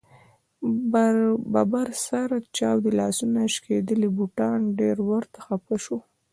ببر سر، چاودې لاسونه ، شکېدلي بوټان ډېر ورته خفه شو.